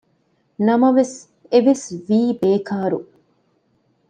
ނަމަވެސް އެވެސް ވީ ބޭކާރު